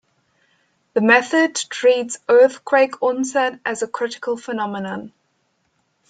The method treats earthquake onset as a critical phenomenon.